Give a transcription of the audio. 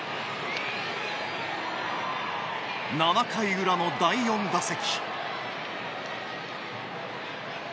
７回裏の第４打席。